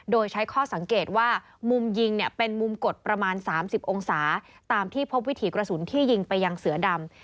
โดยใช้ข้อสังเกตว่ามุมยิงเนี่ยเป็นมุมกดประมาณ๓๐องศาตามที่พบวิถีกระสุนที่ยิงไปยังเสือดำ